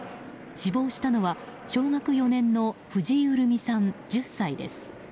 死亡したのは小学４年の藤井潤美さん、１０歳です。